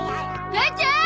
母ちゃん！